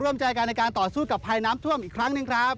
ร่วมใจกันในการต่อสู้กับภัยน้ำท่วมอีกครั้งหนึ่งครับ